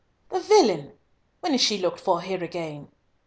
"The villain! When is she looked for here again?"